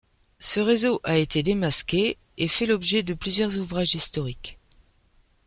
Ce réseau a été démasqué et fait l'objet de plusieurs ouvrages historiques.